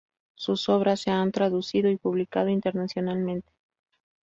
Sus obras se han traducido y publicado internacionalmente.